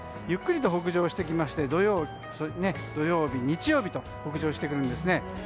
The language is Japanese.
ゆっくりと北上してきまして土曜日、日曜日と北上してくるんですね。